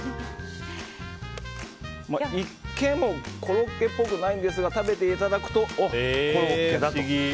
一見、コロッケっぽくはないんですが食べていただくと、コロッケだと。